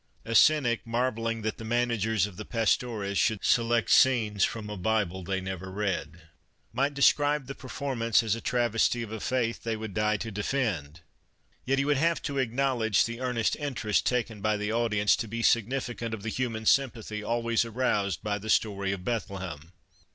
A cynic, marveling that the managers of the Pastores should select scenes from a Bible they never read, might describe the performance as a travesty of a faith they would die to defend, yet he would have to acknowledge the earnest interest taken by the audi ence to be significant of the human sympathy always aroused by the story of Bethlehem.